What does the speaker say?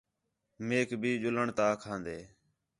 میک بھی ڄُلݨ تا آکھان٘دے